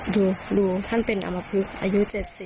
ดูท่านเป็นอำมพลึกอายุ๗๐